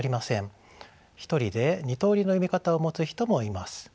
１人で２通りの読み方を持つ人もいます。